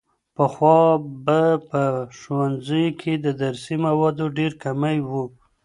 پخوا به په ښوونځیو کې د درسي موادو ډېر کمی و.